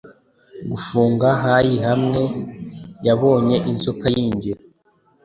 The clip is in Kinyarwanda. Gufunga hai hamwe yabonye inzoka yinjira